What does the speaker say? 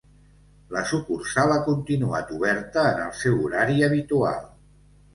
La sucursal ha continuat oberta en el seu horari habitual.